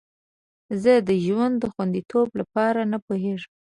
زه د ژوند خوندیتوب لپاره نه پوهیږم.